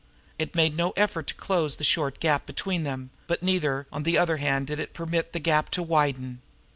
It made no effort to close the short gap between them; but, neither, on the other hand, did it permit that gap to widen.